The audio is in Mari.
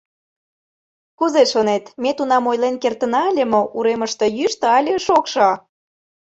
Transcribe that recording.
— Кузе шонет, ме тунам ойлен кертына ыле мо: уремыште йӱштӧ але шокшо?